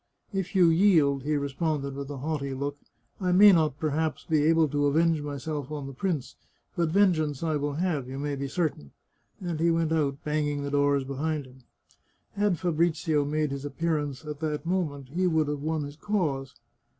" If you yield," he responded, with a haughty look, " I may not, perhaps, be able to avenge myself on the prince, but vengeance I will have, you may be certain," and he went out, banging the doors behind him. Had Fabrizio made his appearance at that moment, he would have won his cause.